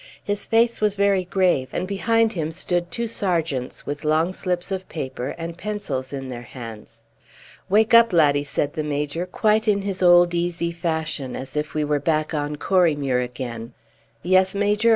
His face was very grave, and behind him stood two sergeants, with long slips of paper and pencils in their hands. "Wake up, laddie," said the Major, quite in his old easy fashion, as if we were back on Corriemuir again. "Yes, Major?"